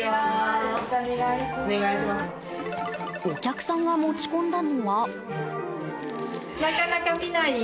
お客さんが持ち込んだのは。